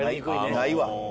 ないわ。